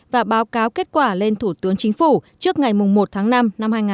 và báo cáo kết quả lên thủ tướng chính phủ trước ngày một tháng năm năm hai nghìn hai mươi bốn